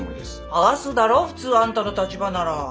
剥がすだろ普通あんたの立場なら。